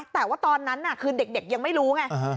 แต่ว่าตอนนั้นคือเด็กยังไม่รู้ไง